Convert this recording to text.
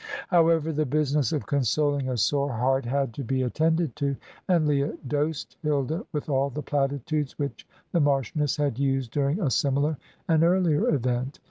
However, the business of consoling a sore heart had to be attended to, and Leah dosed Hilda with all the platitudes which the Marchioness had used during a similar and earlier event.